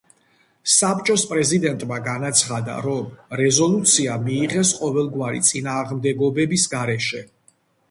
საბჭოს პრეზიდენტმა განაცხადა, რომ რეზოლუცია მიიღეს ყოველგვარი წინააღმდეგობების გარეშე.